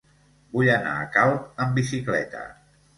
Vull anar a Calp amb bicicleta.